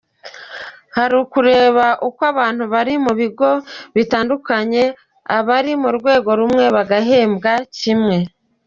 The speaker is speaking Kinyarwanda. Hari ukureba uko abantu bari mu bigo bitandukanye, abari ku rwego rumwe bahembwa kimwe.